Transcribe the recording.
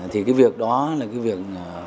thì cái việc đó là cái việc cần